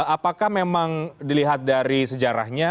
apakah memang dilihat dari sejarahnya